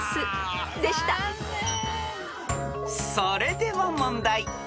［それでは問題］